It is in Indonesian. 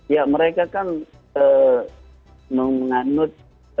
ya mereka kan menganut